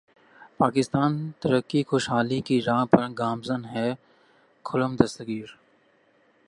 پاکستان ترقی خوشحالی کی راہ پر گامزن ہے خرم دستگیر